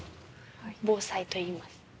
防災と言います。